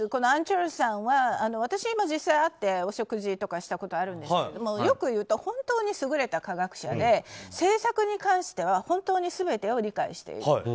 アン・チョルスさんは私も実際に会ってお食事とかしたことあるんですがよく言うと本当に優れた科学者で政策に関しては本当に全てを理解している。